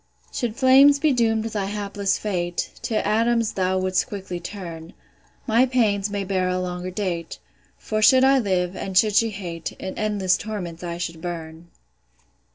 Should flames be doom'd thy hapless fate, To atoms thou wouldst quickly turn: My pains may bear a longer date; For should I live, and should she hate, In endless torments I should burn.